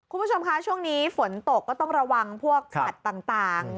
คุณผู้ชมคะช่วงนี้ฝนตกก็ต้องระวังพวกสัตว์ต่าง